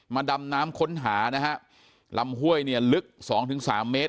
มาดำน้ำค้นหานะฮะลำห้วยเนี่ยลึก๒๓เมตร